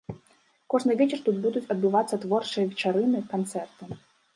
Кожны вечар тут будуць адбывацца творчыя вечарыны, канцэрты.